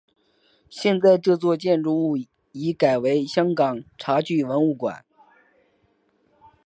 现在这座建筑物已改为香港茶具文物馆。